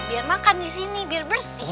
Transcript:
biar makan disini biar bersih katanya